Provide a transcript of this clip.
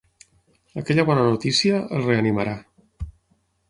Aquella bona notícia el reanimarà.